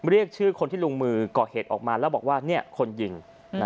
เรียกชื่อคนที่ลงมือก่อเหตุออกมาแล้วบอกว่าคนยิง